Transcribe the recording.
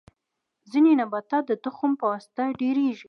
ځینې نباتات د تخم په واسطه ډیریږي